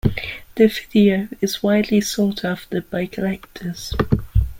The video is widely sought after by collectors.